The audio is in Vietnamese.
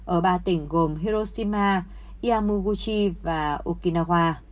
ở ba tỉnh gồm hiroshima iamuguchi và okinawa